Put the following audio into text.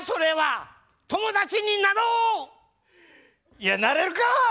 いやなれるか！